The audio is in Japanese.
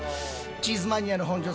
チーズマニアの本上さん